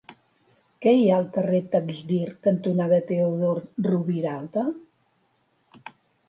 Què hi ha al carrer Taxdirt cantonada Teodor Roviralta?